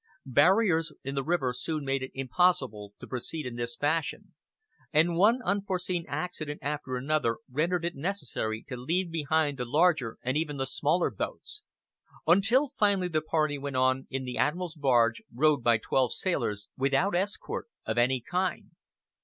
Barriers in the river soon made it impossible to proceed in this fashion, and one unforeseen accident after another rendered it necessary to leave behind the larger and even the smaller boats; until finally the party went on in the Admiral's barge rowed by twelve sailors, without escort of any kind.